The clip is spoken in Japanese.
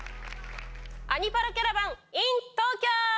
「アニ×パラキャラバンｉｎ東京」！